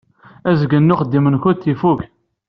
Azgen n uxeddim-nkent ifukk.